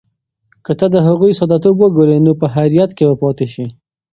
که ته د هغوی ساده توب وګورې، نو په حیرت کې به پاتې شې.